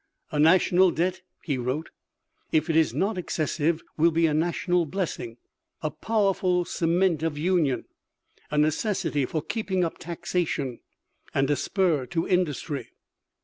"A national debt," he wrote, "if it is not excessive, will be a national blessing, a powerful cement of union, a necessity for keeping up taxation, and a spur to industry."